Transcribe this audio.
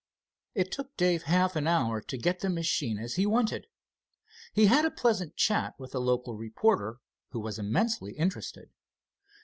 It took Dave half an hour to get the machine as he wanted. He had a pleasant chat with the local reporter, who was immensely interested.